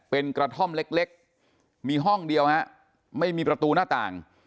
เป็นกระท่อมเล็กมีห้องเดียวฮะไม่มีประตูหน้าต่าง